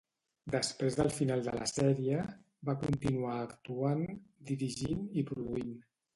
Després del final de la sèrie, va continuar actuant, dirigint i produint.